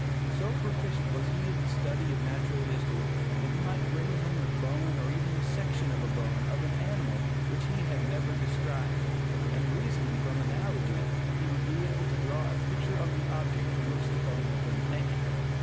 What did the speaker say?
So proficient was he in the study of natural history, that you might bring to him the bone or even a section of a bone of an animal which he had never seen described, and reasoning from analogy, he would be able to draw a picture of the object from which the bone had been taken.